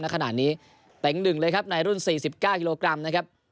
ขณะนี้เต็ง๑เลยครับในรุ่น๔๙กิโลกรัมนะครับ